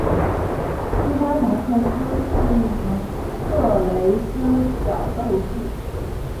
斯巴达克斯是一名色雷斯角斗士。